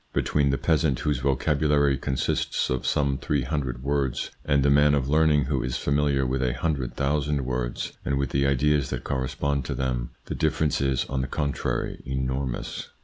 Between the peasant whose vocabulary consists of some three hundred words, and the man of learning who is familiar with a hundred thousand words and with the ideas that corre spond to them, the difference is, on the contrary, enormous.